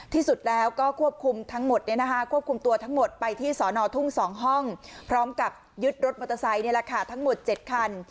ที่สุดแล้วก็ควบคุมทั้งหมดควบคุมตัวทั้งหมดไปที่สอนอทุ่ง๒ห้องพร้อมกับยึดรถมอเตอร์ไซค์ทั้งหมด๗คัน